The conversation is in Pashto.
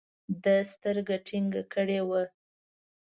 ده سترګه ټينګه کړې وه.